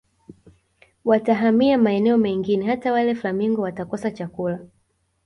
Watahamia maeneo mengine hata wale flamingo watakosa chakula